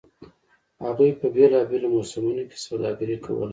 هغوی په بېلابېلو موسمونو کې سوداګري کوله